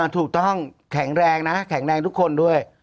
ถูกต้องแข็งแรงนะแข็งแรงทุกคนด้วย